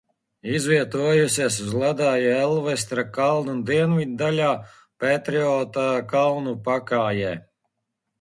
Izvietojusies uz ledāja Elsvērta kalnu dienviddaļā Petriota kalnu pakājē.